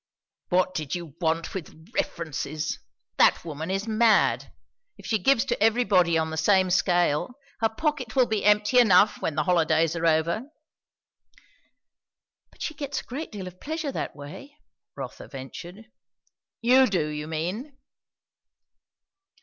"What did you want with references! That woman is mad. If she gives to everybody on the same scale, her pocket will be empty enough when the holidays are over." "But she gets a great deal of pleasure that way " Rotha ventured. "You do, you mean."